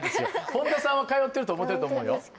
本田さんは通ってると思ってると思うよ